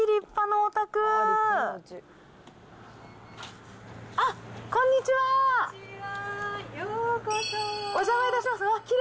お邪魔いたします。